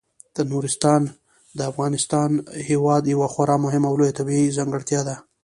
نورستان د افغانستان هیواد یوه خورا مهمه او لویه طبیعي ځانګړتیا ده.